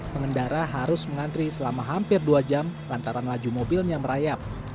pengendara harus mengantri selama hampir dua jam lantaran laju mobilnya merayap